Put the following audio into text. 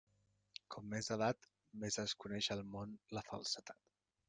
Com més edat, més es coneix del món la falsedat.